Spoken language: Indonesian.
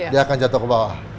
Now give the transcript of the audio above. dia akan jatuh ke bawah